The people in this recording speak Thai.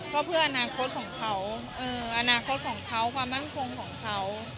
ก็เพื่ออนาคตของเขาอนาคตของเขาความมั่นคงของเขา